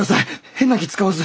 変な気使わず。